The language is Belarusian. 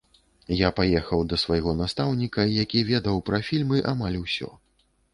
Я паехаў да свайго настаўніка, які ведаў пра фільмы амаль усё.